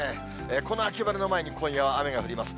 この秋晴れの前に、今夜は雨が降ります。